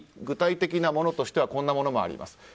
具体的なものとしてはこんなものもあります。